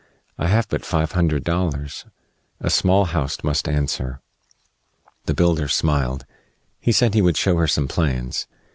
I have but five hundred dollars. A small house must answer." The builder smiled. He said he would show her some plans.